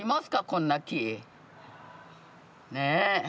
こんな木。ね。